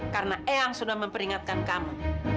karena eang sudah memperingatkan kamu